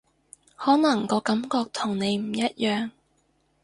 可能個感覺同你唔一樣